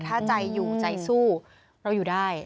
ถ้าใจอยู่ใจสู้เราอยู่ได้